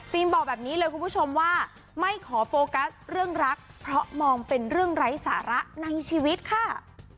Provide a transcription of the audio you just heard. บอกแบบนี้เลยคุณผู้ชมว่าไม่ขอโฟกัสเรื่องรักเพราะมองเป็นเรื่องไร้สาระในชีวิตค่ะ